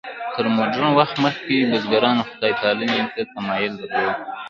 تر مډرن وخت مخکې بزګرانو خدای پالنې ته تمایل درلود.